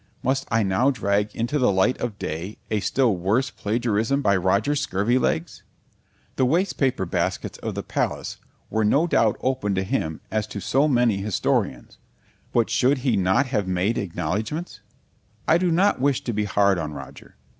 Must I now drag into the light of day a still worse plagiarism by Roger Scurvilegs? The waste paper baskets of the Palace were no doubt open to him as to so many historians. But should he not have made acknowledgments? I do not wish to be hard on Roger.